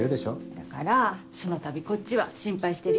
だからそのたびこっちは心配してるよ。